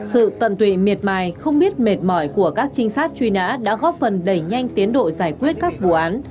sự tận tụy miệt mài không biết mệt mỏi của các trinh sát truy nã đã góp phần đẩy nhanh tiến độ giải quyết các vụ án